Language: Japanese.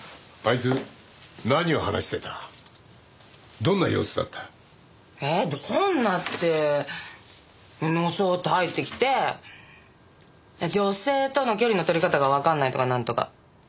どんなって。のそーっと入ってきて女性との距離の取り方がわからないとかなんとか。